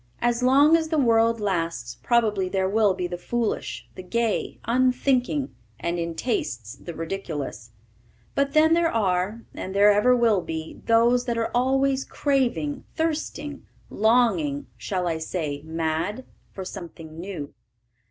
As long as the world lasts probably there will be the foolish, the gay, unthinking, and, in tastes, the ridiculous. But then there are, and there ever will be, those that are always craving, thirsting, longing, shall I say mad? for something new.